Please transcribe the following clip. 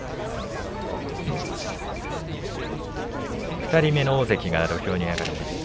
２人目の大関が土俵に上がりました。